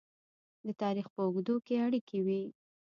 د تاریخ په اوږدو کې اړیکې وې.